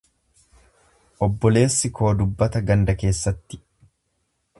Obboleessi koo dubbata ganda keessatti.